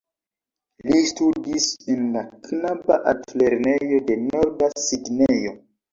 Li studis en la knaba altlernejo de Norda Sidnejo.